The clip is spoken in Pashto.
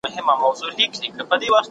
د بهرنیو چارو وزارت بهرنی استازی نه ګواښي.